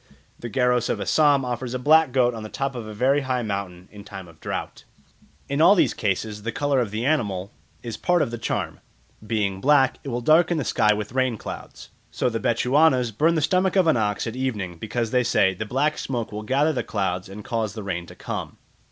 The Garos of Assam offer a black goat on the top of a very high mountain in time of drought. In all these cases the colour of the animal is part of the charm; being black, it will darken the sky with rain clouds. So the Bechuanas burn the stomach of an ox at evening, because they say, "The black smoke will gather the clouds and cause the rain to come."